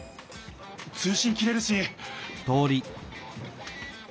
通しん切れるし。